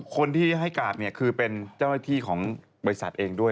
คนที่ให้การเนี่ยคือเป็นเจ้าหน้าที่ของบริษัทเองด้วย